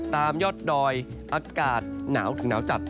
ตามยอดดอยอากาศหนาวถึงหนาวจัด